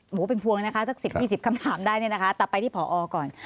หมูเป็นพวงนะคะสัก๑๐๒๐คำถามได้เนี่ยนะคะแต่ไปที่ผอก่อน